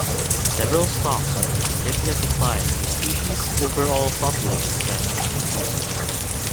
Several stocks are in significant decline and the species' overall population trend is decreasing.